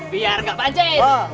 biar gak pancin